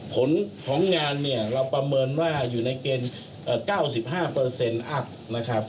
ผลของงานเนี่ยเราประเมินว่าอยู่ในเกณฑ์๙๕อัพนะครับ